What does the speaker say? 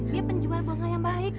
dia penjual bunga yang baik